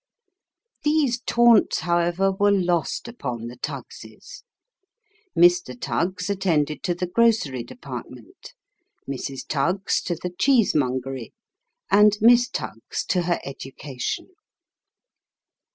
These taunts, however, were lost upon the Tuggs's. Mr. Tuggs attended to the grocery department ; Mrs. Tuggs to the cheese mongcry ; and Miss Tuggs to her education.